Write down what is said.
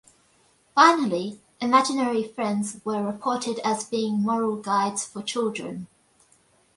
Finally, imaginary friends were reported as being moral guides for children.